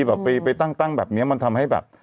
แบบไปตั้งแบบนี้มันทำให้แบบ